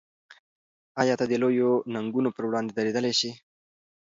آیا ته د لویو ننګونو پر وړاندې درېدلی شې؟